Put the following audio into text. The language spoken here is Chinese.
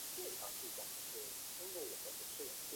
弗朗赛人口变化图示